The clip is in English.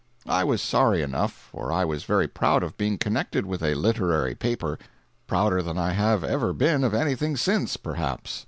I was sorry enough, for I was very proud of being connected with a literary paper—prouder than I have ever been of anything since, perhaps.